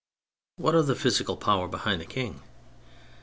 What of the physical power behind the King